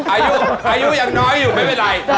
อายุยังน้อยอยู่ไม่เป็นไร